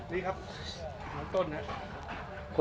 นี่ครับทางต้นนะครับ